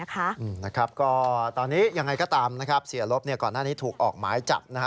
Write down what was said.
ก็ตอนนี้ยังไงก็ตามนะครับเสียลบก่อนหน้านี้ถูกออกหมายจับ